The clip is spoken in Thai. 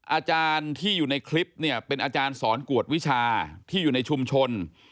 อาจารย์ที่อยู่ในคลิปเนี่ยเป็นอาจารย์สอนกวดวิชาที่อยู่ในชุมชน